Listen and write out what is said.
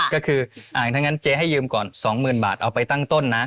ก็คือถ้างั้นเจ๊ให้ยืมก่อน๒๐๐๐บาทเอาไปตั้งต้นนะ